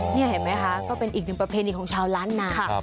นี่เห็นไหมคะก็เป็นอีกหนึ่งประเพณีของชาวล้านนา